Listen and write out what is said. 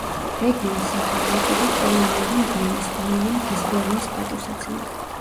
რეგიონს სახელი ეწოდა კოლონიური მდივნის, უილიამ გიზბორნის პატივსაცემად.